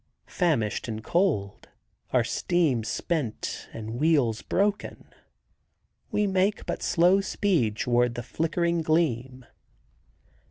Famished and cold—our steam spent and wheels broken—we make but slow speed toward the flickering gleam.